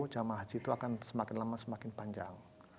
jamaah haji itu akan semakin lama semakin panjang